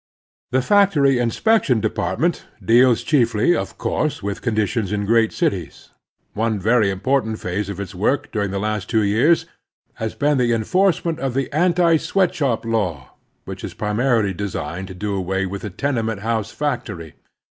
The Factory Inspection Department deals chiefly, of course, with conditions in great cities. One very important phase of its work during the last two years has been the enforcement of the anti sweatshop law, which is primarily designed to do away with the tenement house factory.